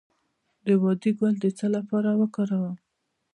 د داودي ګل د څه لپاره وکاروم؟